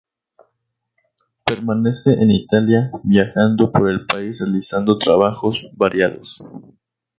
Permanece en Italia viajando por el país realizando trabajos variados.